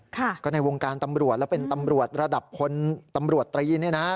ก็ในวงการตำรวจและเป็นตำรวจระดับคนตำรวจตรีนี่นะฮะ